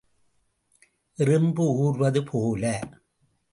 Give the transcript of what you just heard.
எறும்பு ஊர்வது போல.